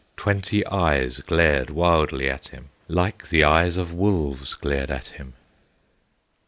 Twenty eyes glared wildly at him, Like the eyes of wolves glared at him.